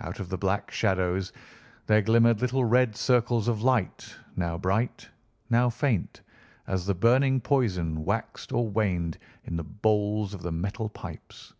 Out of the black shadows there glimmered little red circles of light, now bright, now faint, as the burning poison waxed or waned in the bowls of the metal pipes.